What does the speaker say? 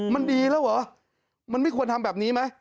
มันดีแล้วเหรอมันไม่ควรทำแบบนี้ไหม